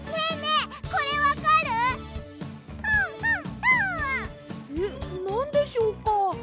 えっなんでしょうか？